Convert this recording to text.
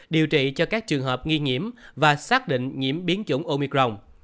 điều trị cho các trường hợp nghi nhiễm và xác định nhiễm biến chủng omicron